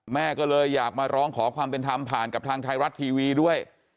แม่ก็เลยอยากมาร้องขอความเป็นธรรมผ่านกับทางไทยรัฐทีวีด้วย